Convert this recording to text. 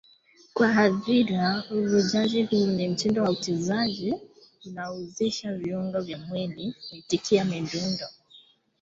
kwa hadhira Uvunjaji Huu ni mtindo wa uchezaji unaohusisha viungo vya mwili kuitikia midundo